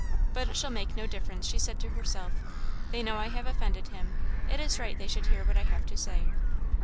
"But it shall make no difference," she said to herself, "they know I have offended him it is right they should hear what I have to say."